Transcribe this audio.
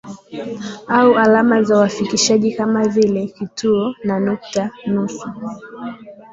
au alama za uakifishaji kama vile kituo na nukta-nusu